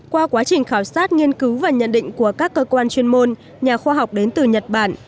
qua quá trình khảo sát nghiên cứu và nhận định của các cơ quan chuyên môn nhà khoa học đến từ nhật bản